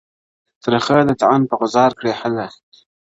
ترخه د طعن به غوځار کړي هله,